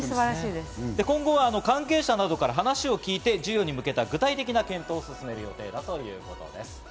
今後は関係者などから話を聞いて授与に向けた具体的な検討を進める予定だということです。